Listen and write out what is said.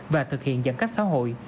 và thực hiện giãn cách xã hội